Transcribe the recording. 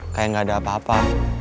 kayak gak ada apa apa